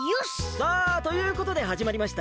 さあということではじまりました